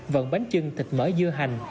vẫn bánh chưng thịt mỡ dưa hành